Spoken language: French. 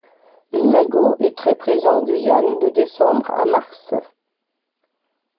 L'imago est très présent en Guyane de décembre à mars.